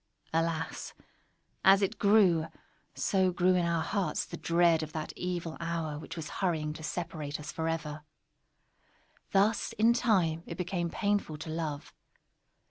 Alas! as it grew, so grew in our hearts the dread of that evil hour which was hurrying to separate us forever! Thus, in time, it became painful to love.